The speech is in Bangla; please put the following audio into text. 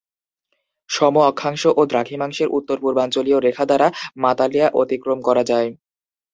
সম অক্ষাংশ ও দ্রাঘিমাংশের উত্তর-পূর্বাঞ্চলীয় রেখা দ্বারা মালাতিয়া অতিক্রম করা যায়।